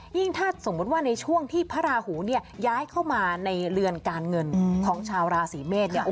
ยิ่งถ้าในช่วงที่พระราหูย้ายเข้ามาในเรือนการเงินของชาวราศีเมษ